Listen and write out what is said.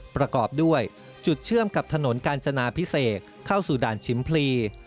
ประกอบด้วยจุดเชื่อมกับถนนกาญจนาพิเศษเข้าสู่ด่านชิมพลี